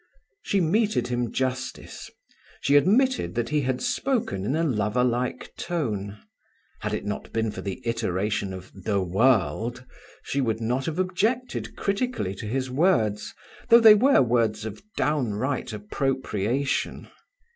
She meted him justice; she admitted that he had spoken in a lover like tone. Had it not been for the iteration of "the world", she would not have objected critically to his words, though they were words of downright appropriation.